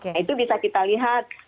nah itu bisa kita lihat